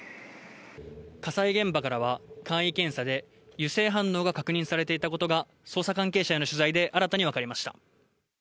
火災現場からは簡易検査で油性反応が確認されていたことが捜査関係者への取材で新たに分かりました。